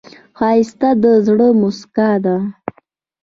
ښایست د زړه موسکا ده